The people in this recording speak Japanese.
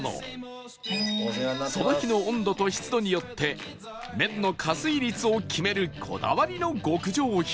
その日の温度と湿度によって麺の加水率を決めるこだわりの極上品